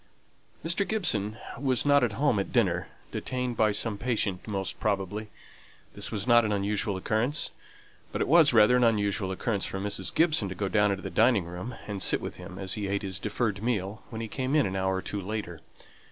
Mr. Gibson was not at home at dinner detained by some patient, most probably. This was not an unusual occurrence; but it was rather an unusual occurrence for Mrs. Gibson to go down into the dining room, and sit with him as he ate his deferred meal when he came in an hour or two later.